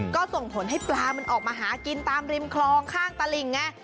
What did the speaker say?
ก็ส่งผลให้ปลามันออกมาหากินตามริมคลองข้างตลิ่งไง